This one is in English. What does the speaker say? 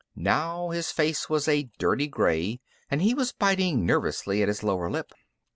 Now his face was a dirty gray, and he was biting nervously at his lower lip.